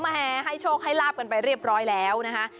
แหให้โชคให้ลาบกันไปเรียบร้อยแล้วนะคะ